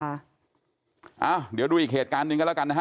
เอ้าเดี๋ยวดูอีกเหตุการณ์หนึ่งกันแล้วกันนะฮะ